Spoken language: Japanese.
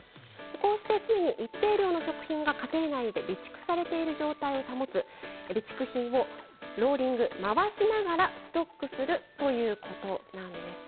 こうして常に一定量の食品が家庭内で備蓄されている状態を保つ備蓄品をローリング回しながらストックするということなんです。